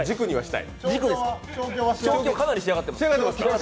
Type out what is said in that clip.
調教、かなり仕上がってます